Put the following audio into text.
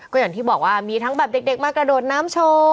ก็อย่างที่บอกว่ามีทั้งแบบเด็กมากระโดดน้ำโชว์